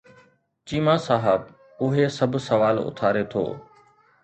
چيما صاحب اهي سڀ سوال اٿاري ٿو.